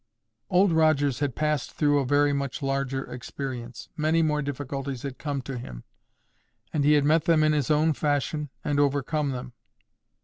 Old Rogers had passed through a very much larger experience. Many more difficulties had come to him, and he had met them in his own fashion and overcome them.